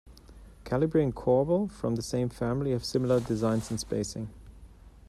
Calibri and Corbel, from the same family, have similar designs and spacing.